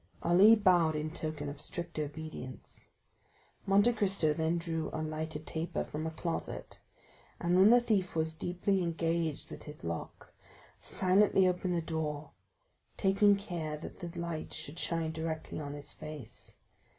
Ali bowed in token of strict obedience. Monte Cristo then drew a lighted taper from a closet, and when the thief was deeply engaged with his lock, silently opened the door, taking care that the light should shine directly on his face.